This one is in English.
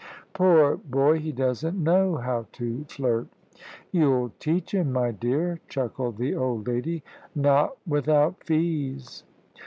"Poor boy, he doesn't know how to flirt." "You'll teach him, my dear," chuckled the old lady. "Not without fees."